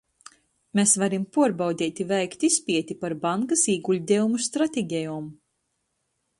Mes varim puorbaudeit i veikt izpieti par bankys īguļdejumu strategejom.